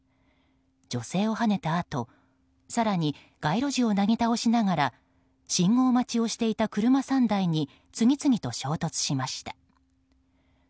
女性をはねたあと更に街路樹をなぎ倒しながら信号待ちをしていた車３台に次々と衝突しました。